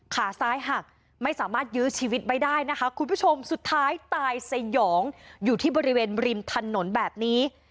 ขาซ้ายหักไม่สามารถยื้อชีวิตไว้ได้นะคะคุณผู้ชมสุดท้ายตายสยองอยู่ที่บริเวณริมถนนแบบนี้